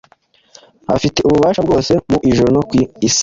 Afite ububasha bwose mu ijuru no ku isi